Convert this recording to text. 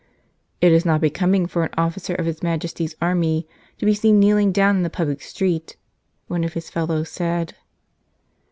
"It is not becoming for an officer of his Majesty's army to be seen kneeling down in the public street," one of his fellows said.